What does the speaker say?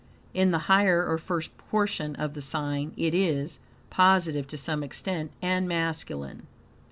In the higher or first portion of the sign it is {}, positive to some extent, and masculine.